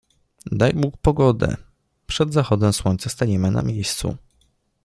Daj Bóg pogodę, przed zachodem słońca staniemy na miejscu.